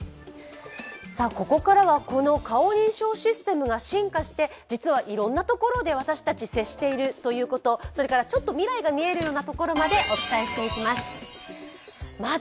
ここからはこの顔認証システムが進化して実はいろんなところで私たち、接しているということ、そしてちょっと未来が見えるところまでお伝えしていきます。